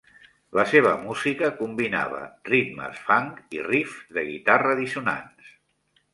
La seva música combinava ritmes funk i riffs de guitarra dissonants.